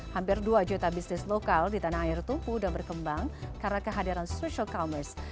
hampir dua juta bisnis lokal di tanah air tumpu dan berkembang karena kehadiran social commerce